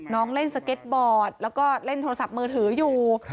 เล่นสเก็ตบอร์ดแล้วก็เล่นโทรศัพท์มือถืออยู่